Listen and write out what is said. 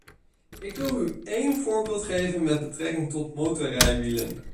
Ik wil u één voorbeeld geven met betrekking tot motorrijwielen.